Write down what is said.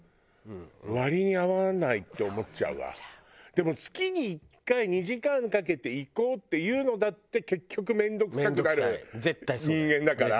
でも月に１回２時間かけて行こうっていうのだって結局面倒くさくなる人間だから。